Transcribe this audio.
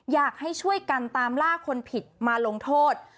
อยากให้ช่วยกันตามล่าคนผิดมาลงโทษ